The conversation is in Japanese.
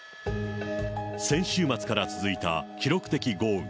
先週末から続いた記録的豪雨。